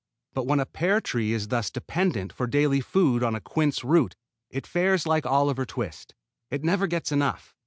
But when a pear tree is thus dependent for daily food on a quince root it fares like Oliver Twist. It never gets enough.